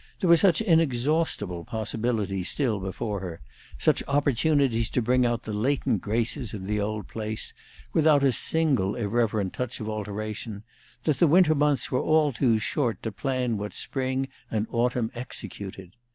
There were such inexhaustible possibilities still before her, such opportunities to bring out the latent graces of the old place, without a single irreverent touch of alteration, that the winter months were all too short to plan what spring and autumn executed.